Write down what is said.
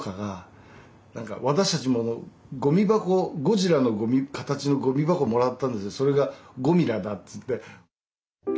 私たちもゴジラの形のゴミ箱もらったんですけどそれが「ゴミラ」だっつって。